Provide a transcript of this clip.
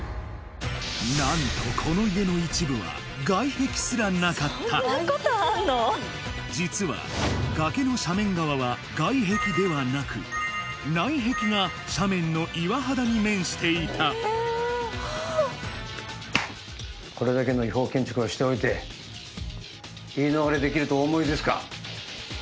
何とこの家の一部は外壁すらなかった実は崖の斜面側は外壁ではなく内壁が斜面の岩肌に面していたこれだけの違法建築をしておいて言い逃れできるとお思いですか？